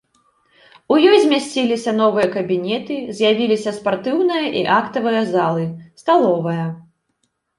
У ёй змясціліся новыя кабінеты, з'явіліся спартыўная і актавая залы, сталовая.